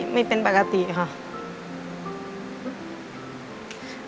ไม่เป็นปกติค่ะ